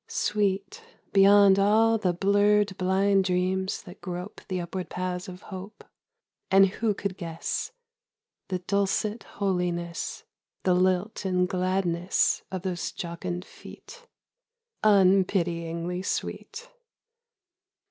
Sweet beyond all the blurred blind dreams that grope The upward paths of hope? And who could guess The dulcet holiness, The lilt and gladness of those jocund feet, Unpityingly sweet?